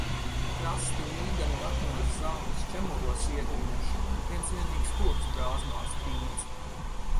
Krasti līgani leknos zāles čemuros iegrimuši, viens vienīgs koks brāzmās trīc.